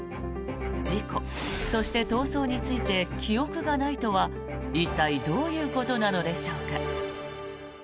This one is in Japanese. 事故、そして逃走について記憶がないとは一体どういうことなのでしょうか。